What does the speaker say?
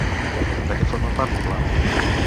De què forma part Montblanc?